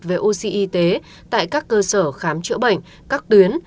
về oxy y tế tại các cơ sở khám chữa bệnh các tuyến